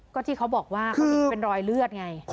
ก็ที่เขาบอกว่ามีรอยเลือดไง